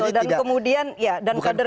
betul dan kemudian kader kader